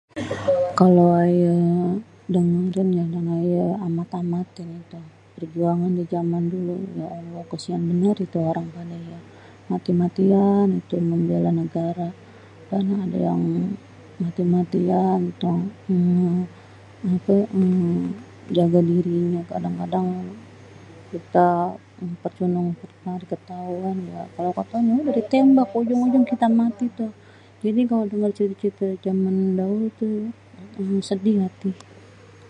Kalau yang aye denger aye amat-amatin itu. perjuangan di Jaman dulu ya allah kasian bener itu orang pada ya mati-matian itu membela negara. Kan ade yang mati-matian toh eee apé jaga dirinya kadang-kadang kita. kalau ketauan udeh ditembak ujung-ujungnye kita mati tuh jadi kalau denger cerite-cerite zaman dahulu tuh sedih hati.